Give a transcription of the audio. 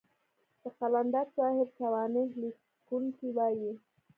د قلندر صاحب سوانح ليکونکي وايي.